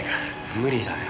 無理だよ。